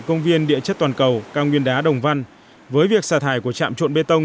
công viên địa chất toàn cầu cao nguyên đá đồng văn với việc xả thải của trạm trộn bê tông